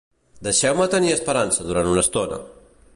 Deixeu-me tenir esperança durant una estona!